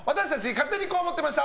勝手にこう思ってました！